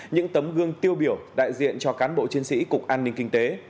những tấm gương tiêu biểu đại diện cho cán bộ chiến sĩ cục an ninh kinh tế